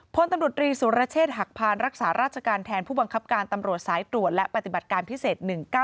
พลตำรวจรีสุรเชษฐ์หักพานรักษาราชการแทนผู้บังคับการตำรวจสายตรวจและปฏิบัติการพิเศษ๑๙